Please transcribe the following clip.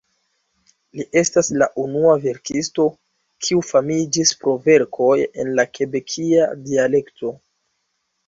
Li estas la unua verkisto, kiu famiĝis pro verkoj en la kebekia dialekto.